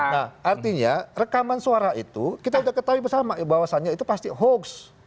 nah artinya rekaman suara itu kita sudah ketahui bersama bahwasannya itu pasti hoax